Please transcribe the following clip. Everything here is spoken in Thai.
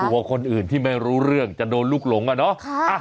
กลัวคนอื่นที่ไม่รู้เรื่องจะโดนลูกหลงอ่ะเนาะ